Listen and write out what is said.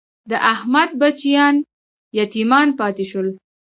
د احمد بچیان یتیمان پاتې شول.